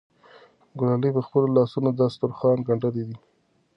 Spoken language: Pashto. ګلالۍ په خپلو لاسونو دا دسترخوان ګنډلی دی.